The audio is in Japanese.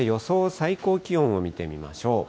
最高気温を見てみまし